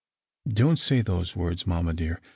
" Don't say those words, mamma dear.